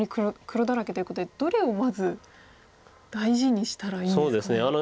黒だらけということでどれをまず大事にしたらいいんですかね。